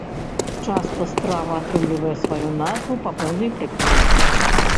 Часта страва атрымлівае сваю назву па пэўнай прыкмеце.